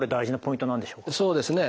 そうですね。